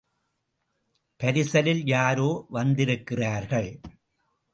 பரிசலில் யாரோ வந்திருக்கிறார்கள்.